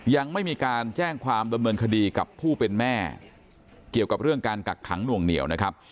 ยังไม่มีการแจ้งความดำเนินคดีกับผู้เป็นแม่เกี่ยวกับเรื่องการกักขังหน่วงเหนียวนะครับ